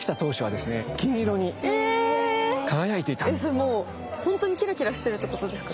それもうほんとにキラキラしてるってことですか？